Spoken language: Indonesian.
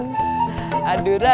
mimin digeris pisah